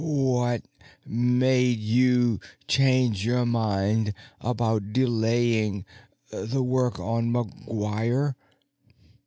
"What made you change your mind about delaying the work on McGuire?"